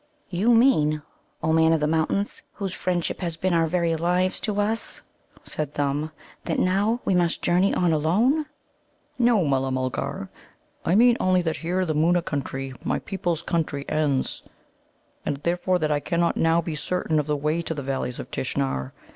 "You mean, O Man of the Mountains, whose friendship has been our very lives to us," said Thumb, "that now we must journey on alone?" "No, Mulla mulgar; I mean only that here the Moona country, my people's country, ends, and therefore that I cannot now be certain of the way to the Valleys of Tishnar.